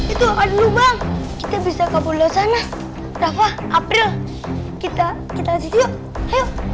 itu ada lubang kita bisa ke pulau sana rafa april kita kita yuk yuk yuk yuk